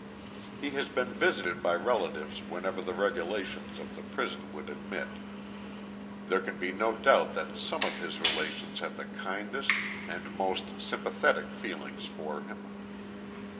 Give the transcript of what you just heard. He has been visited by relatives whenever the regulations of the prison would admit. There can be no doubt that some of his relations have the kindest and most sympathetic feelings for him.